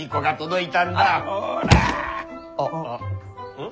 うん？